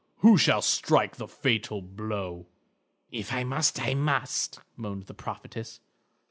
Who shall strike the fatal blow?" "If I must, I must," moaned the prophetess.